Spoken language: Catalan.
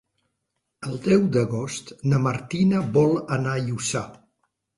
El deu d'agost na Martina vol anar a Lluçà.